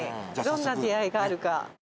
どんな出会いがあるか！